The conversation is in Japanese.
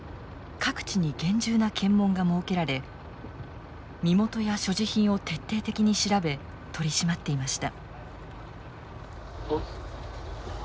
各地に厳重な検問が設けられ身元や所持品を徹底的に調べ取り締まっていました。